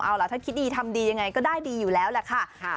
เอาล่ะถ้าคิดดีทำดียังไงก็ได้ดีอยู่แล้วแหละค่ะ